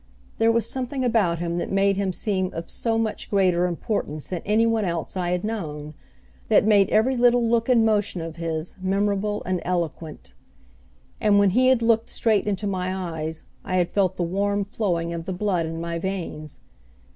There was something about him that made him seem of so much greater importance than any one else I had known; that made every little look and motion of his memorable and eloquent. And when he had looked straight into my eyes I had felt the warm flowing of the blood in my veins.